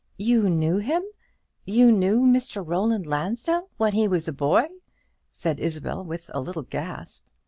"You knew him you knew Mr. Roland Lansdell when he was a boy?" said Isabel, with a little gasp.